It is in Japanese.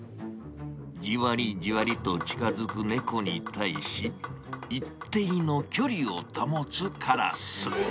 じわりじわりと近づく猫に対し、一定の距離を保つカラス。